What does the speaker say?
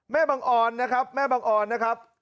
แม่บังอลนะครับแม่บังอลนะครับ